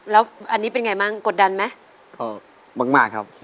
แล้วอันนี้เป็นไงบ้างกดดันไหม